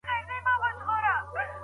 نوښت ستاسو په شخصیت کي بدلون راولي.